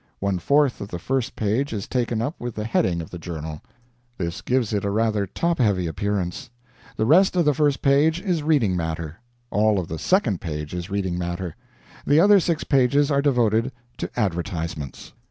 One fourth of the first page is taken up with the heading of the journal; this gives it a rather top heavy appearance; the rest of the first page is reading matter; all of the second page is reading matter; the other six pages are devoted to advertisements.